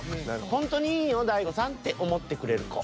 ほんとに「いいよ大悟さん」って思ってくれる子。